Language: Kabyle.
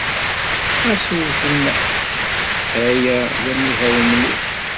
Ɣas wet nneḥ! Aya d amihaw mliḥ.